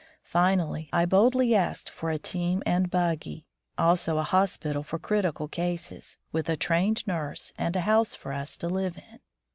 Finally, I boldly asked for a team and buggy, also a hospital for critical cases, with a trained nurse, and a house for us to live in.